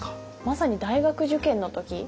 まさに大学受験の時。